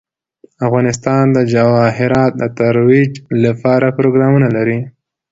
افغانستان د جواهرات د ترویج لپاره پروګرامونه لري.